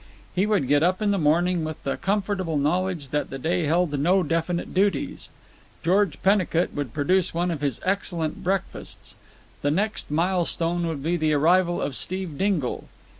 He would get up in the morning with the comfortable knowledge that the day held no definite duties. George Pennicut would produce one of his excellent breakfasts. The next mile stone would be the arrival of Steve Dingle.